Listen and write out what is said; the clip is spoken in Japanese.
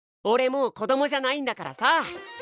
おれもう子どもじゃないんだからさ。